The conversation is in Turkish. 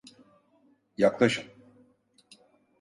Yaklaşın!